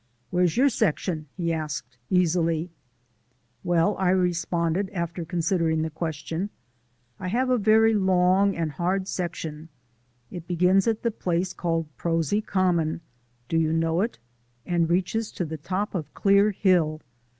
"Where's your section?" he asked easily. "Well," I responded after considering the question, "I have a very long and hard section. It begins at a place called Prosy Common do you know it? and reaches to the top of Clear Hill.